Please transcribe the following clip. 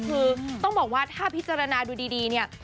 คือต้องบอกว่าถ้าพิจารณาดูดีเนี่ย